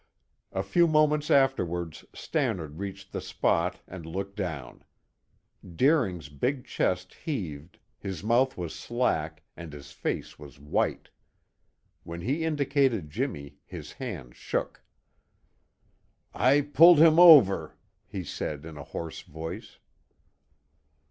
A few moments afterwards Stannard reached the spot and looked down. Deering's big chest heaved, his mouth was slack, and his face was white. When he indicated Jimmy his hand shook. "I pulled him over," he said in a hoarse voice.